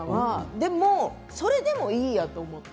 でも、それでもいいやと思って。